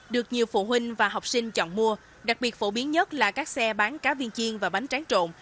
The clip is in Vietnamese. được nhiều phụ huynh và học sinh chọn mua đặc biệt phổ biến nhất là các xe bán cá viên chiên và bánh tráng trộn